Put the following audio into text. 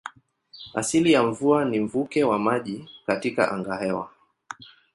Asili ya mvua ni mvuke wa maji katika angahewa.